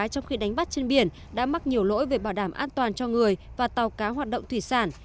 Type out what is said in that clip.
trong khi đánh bắt trên biển đã mắc nhiều lỗi về bảo đảm an toàn cho người và tàu cá hoạt động thủy sản